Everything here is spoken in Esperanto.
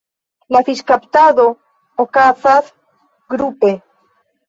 La fiŝkaptado okazas grupe.